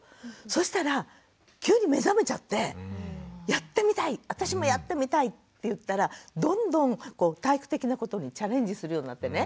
そしたら急に目覚めちゃってやってみたい私もやってみたいっていったらどんどん体育的なことにチャレンジするようになってね